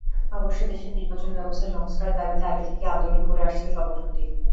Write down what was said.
অবশ্য দেশের নির্বাচনব্যবস্থায় সংস্কারের দাবিতে আগে থেকেই আন্দোলন করে আসছিল সংগঠনটি।